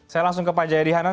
saya langsung ke pak jayadi hanan